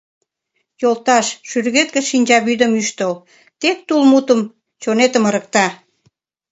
Йолташ, шӱргет гыч шинчавӱдым ӱштыл, Тек тул мутем чонетым ырыкта!